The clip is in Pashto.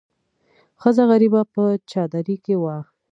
ښځه غریبه په چادرۍ کې وه.